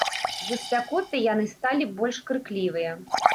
З-за спякоты яны сталі больш крыклівыя.